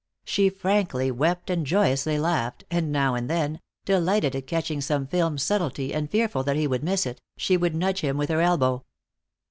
She frankly wept and joyously laughed, and now and then, delighted at catching some film subtlety and fearful that he would miss it, she would nudge him with her elbow.